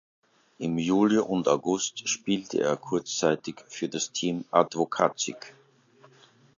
Im Juli und August spielte er kurzzeitig für das Team adwokacik.